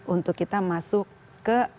untuk kita masuk ke